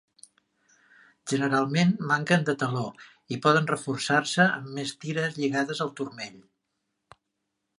Generalment manquen de taló, i poden reforçar-se amb més tires lligades al turmell.